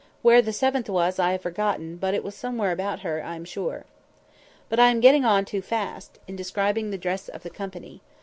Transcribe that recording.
Where the seventh was I have forgotten, but it was somewhere about her, I am sure. But I am getting on too fast, in describing the dresses of the company.